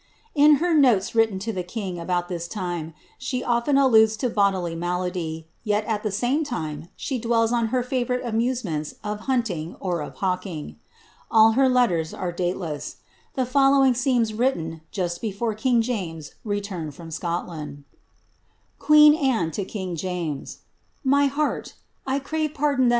^ In her notes written to the king, about this time, she often alludes to bodily malady ; yet, at the same time, she dwells on her favourite amusements of hunting or of hawking. All her letters are dateless. The following seems written just before king James returned from Scotland :— 'The lofd chanceUor U now a movmble minifter, who goes oat of office with hit party.